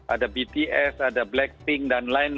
ada bts ada blackpink dan lain